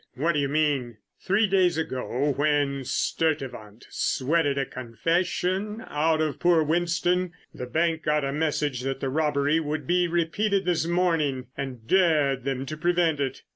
"What do you mean?" "Three days ago when Sturtevant sweated a 'confession' out of poor Winston, the bank got a message that the robbery would be repeated this morning and dared them to prevent it.